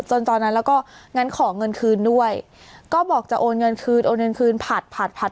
ตอนนั้นแล้วก็งั้นขอเงินคืนด้วยก็บอกจะโอนเงินคืนโอนเงินคืนผัดผัดผัด